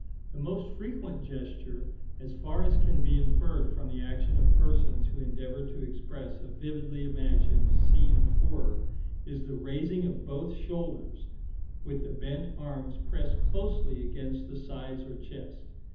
The most frequent gesture, as far as can be inferred from the action of persons who endeavour to express a vividly imagined scene of horror, is the raising of both shoulders, with the bent arms pressed closely against the sides or chest.